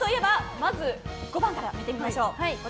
まず５番から見てみましょう。